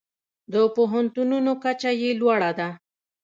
د پوهنتونونو کچه یې لوړه ده.